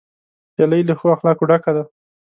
هیلۍ له ښو اخلاقو ډکه ده